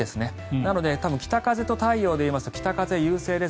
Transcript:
なので「北風と太陽」でいいますと北風優勢です。